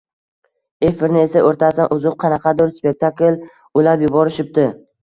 Efirni esa o‘rtasidan uzib, qanaqadur spektakl ulab yuborishibdi.